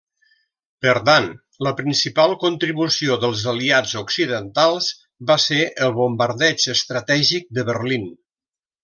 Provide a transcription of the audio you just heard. Per tant, la principal contribució dels aliats occidentals va ser el bombardeig estratègic de Berlín.